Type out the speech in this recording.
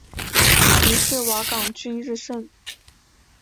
于是瓦岗军日盛。